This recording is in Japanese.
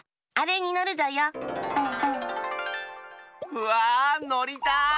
うわのりたい！